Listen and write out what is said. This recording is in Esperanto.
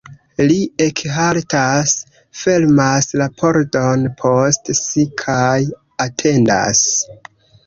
Li ekhaltas, fermas la pordon post si kaj atendas.